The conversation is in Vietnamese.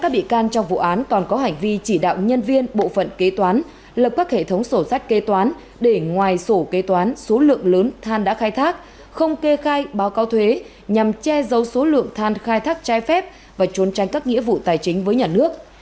bộ phận kê toán lập các hệ thống sổ sách kê toán để ngoài sổ kê toán số lượng lớn than đã khai thác không kê khai báo cáo thuế nhằm che dấu số lượng than khai thác trái phép và trốn tranh các nghĩa vụ tài chính với nhà nước